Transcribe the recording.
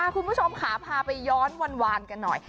คุณผู้ชมค่ะพาไปย้อนวานกันหน่อย